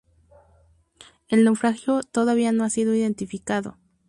El naufragio todavía no ha sido identificado.